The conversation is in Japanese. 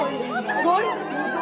・・すごい！